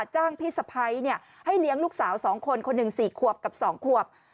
จ้างพี่สะพ้ายให้เลี้ยงลูกสาว๒คนคนหนึ่ง๔ขวบกับ๒ขวบ